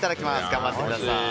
頑張ってください。